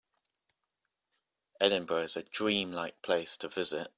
Edinburgh is a dream-like place to visit.